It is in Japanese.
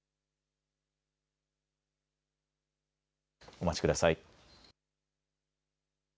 お待ちください。